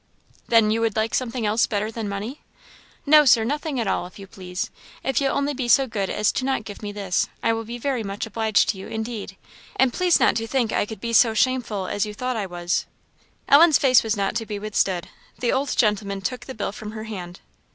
"Then you would like something else better than money." "No, Sir, nothing at all, if you please. If you'll only be so good as not to give me this, I will be very much obliged to you indeed; and please not to think I could be so shameful as you thought I was." Ellen's face was not to be withstood. The old gentleman took the bill from her hand.